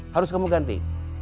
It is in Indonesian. harus kamu ganti